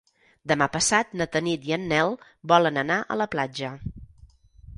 Demà passat na Tanit i en Nel volen anar a la platja.